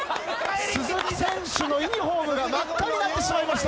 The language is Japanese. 鈴木選手のユニホームが真っ赤になってしまいました。